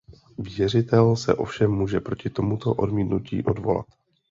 Věřitel se ovšem může proti tomuto odmítnutí odvolat.